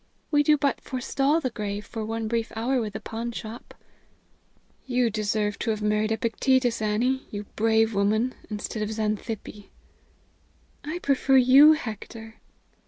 We do but forestall the grave for one brief hour with the pawnshop." "You deserve to have married Epictetus, Annie, you brave woman, instead of Xantippe!" "I prefer you, Hector."